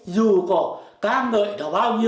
dù có ca ngợi nó bao nhiêu